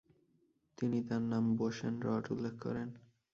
তিনি তার নাম "বোশ অ্যান্ড রট" উল্লেখ করেন।